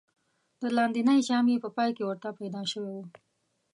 د لاندېنۍ ژامې په پای کې ورته پیدا شوی و.